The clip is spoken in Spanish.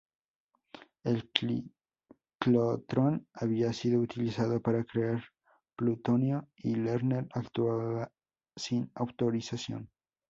El ciclotrón había sido utilizado para crear plutonio, y Lerner actuaba sin autorización.